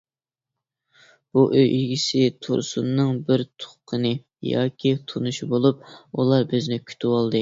بۇ ئوي ئىگىسى تۇرسۇننىڭ بىر تۇغقىنى ياكى تونۇشى بولۇپ، ئۇلار بىزنى كۈتۈۋالدى.